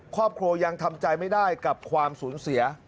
ครอบครัวยังทำใจไม่ได้กับความสูญเสีย